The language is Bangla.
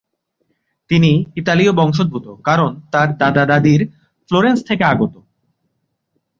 তিনি ইতালীয় বংশোদ্ভূত কারন তার দাদা-দাদির ফ্লোরেন্স থেকে আগত।